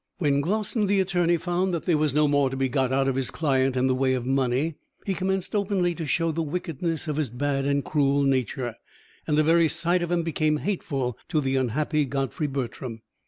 When Glossin, the attorney, found that there was no more to be got out of his client in the way of money, he commenced openly to show the wickedness of his bad and cruel nature; and the very sight of him became hateful to the unhappy Godfrey Bertram.